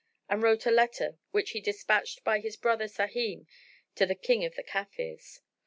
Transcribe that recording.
and wrote a letter, which he despatched by his brother Sahim to the King of the Kafirs.